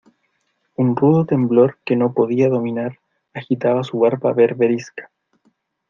un rudo temblor que no podía dominar agitaba su barba berberisca.